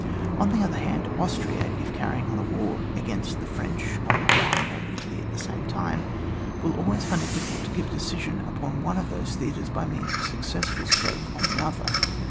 On the other hand, Austria, if carry ing on war against the French on the Bhine and Italy at the same time, will always find it difficult to g^ve a decision upon one of those theatres by means of a success^ stroke on the other.